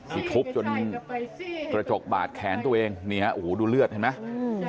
จนรู้จนระจกบาดแขนตัวเองดูเลือดเห็นไหม